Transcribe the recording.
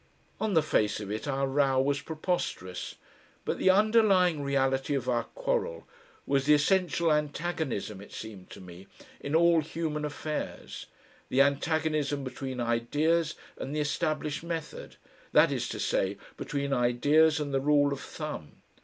On the face of it our row was preposterous, but the underlying reality of our quarrel was the essential antagonism, it seemed to me, in all human affairs, the antagonism between ideas and the established method, that is to say, between ideas and the rule of thumb.